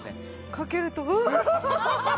かけるとうわあ！